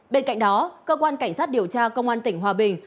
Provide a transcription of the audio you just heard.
bên cạnh đó cơ quan cảnh sát điều tra công an tỉnh hòa bình